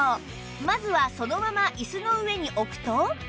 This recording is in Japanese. まずはそのまま椅子の上に置くと